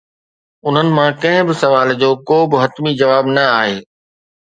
انهن مان ڪنهن به سوال جو ڪو به حتمي جواب نه آهي.